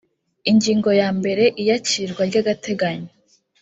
ingingo ya mbere iyakirwa ry agateganyo